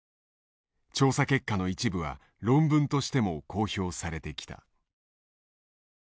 調査結果の一部は論文としても公表されてきた。